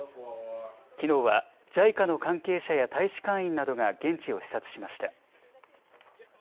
きのうはＪＩＣＡの関係者や大使館員などが現地を視察しました。